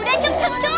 udah cukup cukup